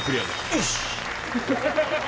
よし！